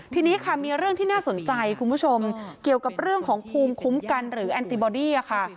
ทีนี้ค่ะมีเรื่องที่น่าสนใจคุณผู้ชมเกี่ยวกับเรื่องของภูมิคุ้มกันหรือแอนติบอดี้ค่ะ